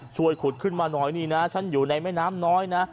ช่วยขุดขึ้นมาหน่อยนี่นะฉันอยู่ในแม่น้ำน้อยนะ